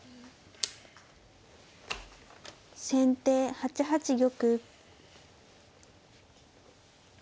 先手８八玉。